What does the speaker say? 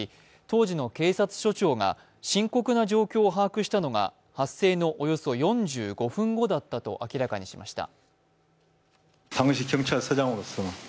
当時の警察署長が深刻な状況を把握したのが発生のおよそ４５分後だったと明らかにしました。